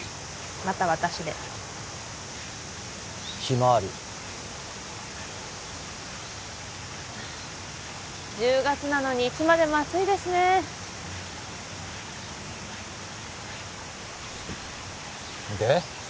また私でひまわり１０月なのにいつまでも暑いですねで？